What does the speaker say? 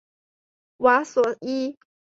瓦索伊。